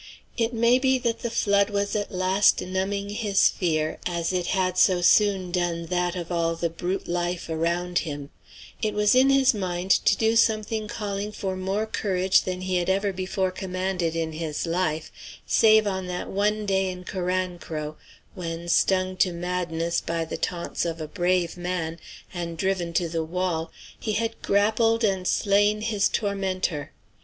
It may be that the flood was at last numbing his fear, as it had so soon done that of all the brute life around him; it was in his mind to do something calling for more courage than he had ever before commanded in his life, save on that one day in Carancro, when, stung to madness by the taunts of a brave man, and driven to the wall, he had grappled and slain his tormentor.